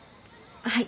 はい。